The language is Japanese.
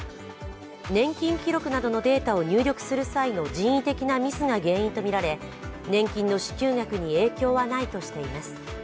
年金記録などのデータを入力する際の人為的なミスが原因とみられ年金の支給額に影響はないとしています。